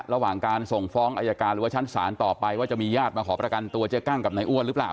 ระหว่างการส่งฟ้องอายการหรือว่าชั้นศาลต่อไปว่าจะมีญาติมาขอประกันตัวเจ๊กั้งกับนายอ้วนหรือเปล่า